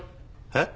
えっ！？